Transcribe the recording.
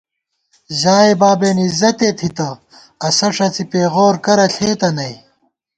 ژائے بابېن عِزتے تھِتہ ، اسہ ݭڅی پېغور کرہ ݪېتہ نئی